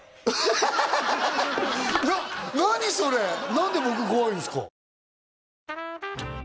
何で僕怖いんすか？